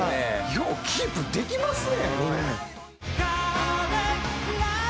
ようキープできますねこれ。